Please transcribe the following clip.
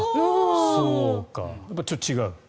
ちょっと違う？